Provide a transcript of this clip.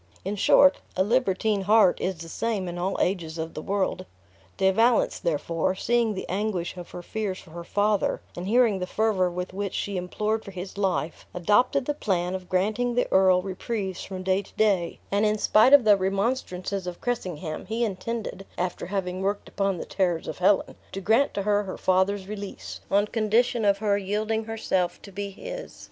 In short, a libertine heart is the same in all ages of the world. De Valence, therefore, seeing the anguish of her fears for her father, and hearing the fervor with which she implored for his life, adopted the plan of granting the earl reprieves from day to day; and in spite of the remonstrances of Cressingham, he intended (after having worked upon the terrors of Helen), to grant to her her father's release, on condition of her yielding herself to be his.